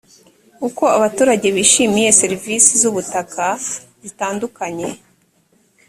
uko abaturage bishimiye serivisi z ubutaka zitandukanye